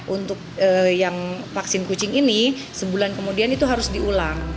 untuk yang vaksin kucing ini sebulan kemudian itu harus diulang